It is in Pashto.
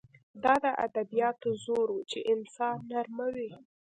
دا د ادبیاتو زور و چې انسان نرموي